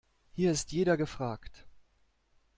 Hier ist jeder gefragt.